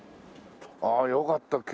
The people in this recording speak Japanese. ああよかった